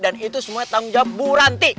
dan itu semua tanggung jawab bu ranti